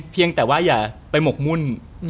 เพียงแต่ว่าอย่าไปหมกมุ่น